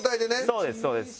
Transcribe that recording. そうですそうです。